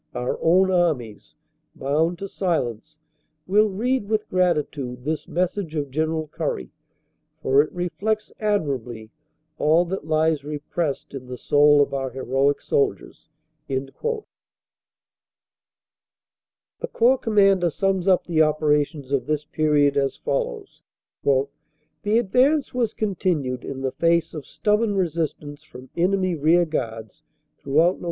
Our own Armies, bound to silence, will read with gratitude this message of General Currie, for it reflects admir ably all that lies repressed in the soul of our heroic soldiers." The Corps Commander sums up the operations of this period as follows: "The advance was continued in the face of stubborn resistance from enemy rearguards throughout Nov.